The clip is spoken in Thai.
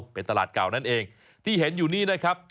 เป็นตลาดเก่านั่นเองที่เห็นอยู่นี่นะครับ